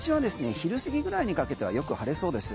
昼過ぎぐらいにかけてはよく晴れそうです。